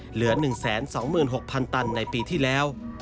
เหลือ๑๒๖๐๐๐ตันในปีที่แล้ว